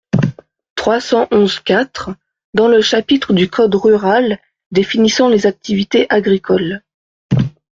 trois cent onze-quatre, dans le chapitre du code rural définissant les activités agricoles.